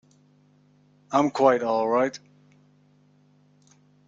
I'm quite all right.